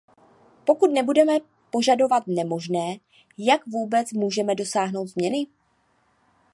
Pokud nebudeme požadovat nemožné, jak vůbec můžeme dosáhnout změny?